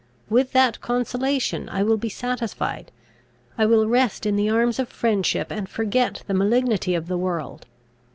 With that consolation I will be satisfied. I will rest in the arms of friendship, and forget the malignity of the world.